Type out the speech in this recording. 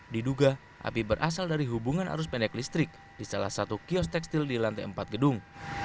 diduga api berasal dari hubungan arus pendek listrik di salah satu kios tekstil di lantai empat gedung